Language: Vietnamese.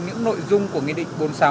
những nội dung của nghị định bốn mươi sáu